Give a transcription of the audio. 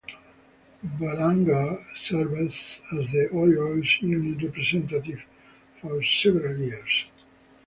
Belanger served as the Orioles' union representative for several years.